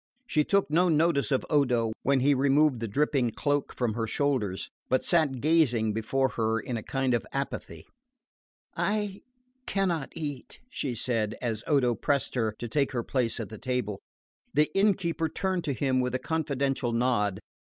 She took no notice of Odo when he removed the dripping cloak from her shoulders, but sat gazing before her in a kind of apathy. "I cannot eat," she said, as Odo pressed her to take her place at the table. The innkeeper turned to him with a confidential nod.